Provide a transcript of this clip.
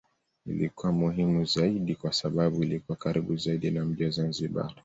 Ilikuwa muhimu zaidi kwa sababu ilikuwa karibu zaidi na mji wa Zanzibar